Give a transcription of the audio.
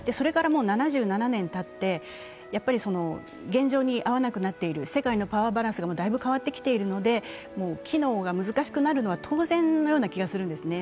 それからもう７７年たって現状に合わなくなっている、世界のパワーバランスがだいぶ変わってきているので機能が難しくなるのは当然のような気がするんですね。